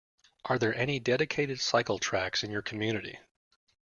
Are there any dedicated cycle tracks in your community?